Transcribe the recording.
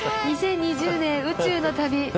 ２０２０年宇宙の旅。